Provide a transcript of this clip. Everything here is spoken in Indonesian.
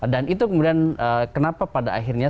dan itu kemudian kenapa pada akhirnya